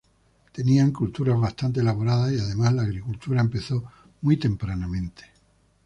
Tenían culturas bastante elaboradas y además la agricultura empezó muy tempranamente.